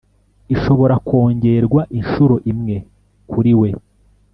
ishobora kongerwa inshuro imwe kuri we